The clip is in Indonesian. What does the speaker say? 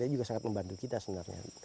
ini juga sangat membantu kita sebenarnya